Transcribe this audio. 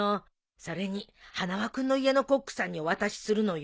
それに花輪君の家のコックさんにお渡しするのよ。